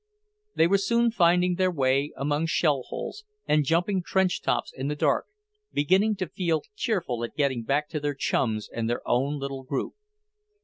They were soon finding their way among shell holes, and jumping trench tops in the dark, beginning to feel cheerful at getting back to their chums and their own little group.